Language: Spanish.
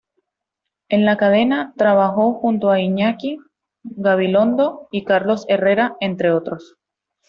En la cadena, trabajó junto a Iñaki Gabilondo y Carlos Herrera entre otros.